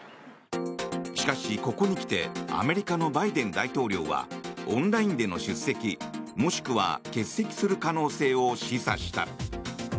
しかし、ここに来てアメリカのバイデン大統領はオンラインでの出席もしくは欠席する可能性を示唆した。